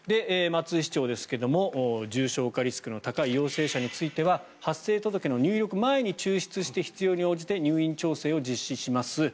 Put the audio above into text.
松井市長ですが重症化リスクの高い陽性者については発生届の入力前に抽出して必要に応じて入院調整を実施します。